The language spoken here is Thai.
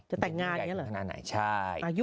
จะแต่งงานเท่านั้นหรอ